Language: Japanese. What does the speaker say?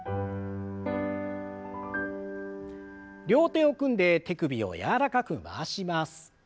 両手を組んで手首を柔らかく回します。